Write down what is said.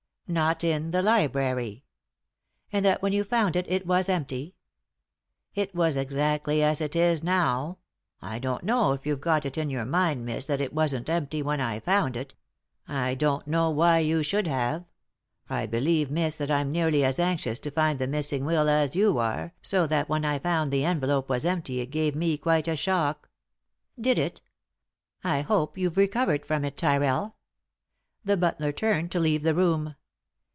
"Not in the library." "And that when you found it it was empty ?"" It was exactly as it is now. I don't know if you've got it in your mind, miss, that it wasn't empty when I found it ; I don't know why you 216 3i 9 iii^d by Google THE INTERRUPTED KISS should have. I believe, miss, that I'm nearly as anxious to find the missing will as you are, so that when I found the envelope was empty it gave me quite a shock." " Did it ? I hope you've recovered from it, Tyrrell." The butler turned to leave the room.